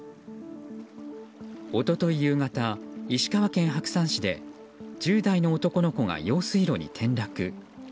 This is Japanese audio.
一昨日夕方、石川県白山市で１０代の男の子が用水路に転落。